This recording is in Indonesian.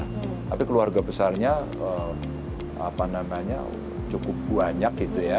tapi keluarga besarnya apa namanya cukup banyak gitu ya